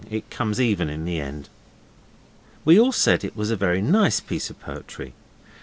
It comes even in the end.' We all said it was a very nice piece of poetry.